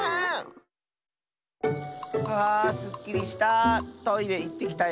あすっきりした！